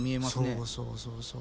そうそうそうそう。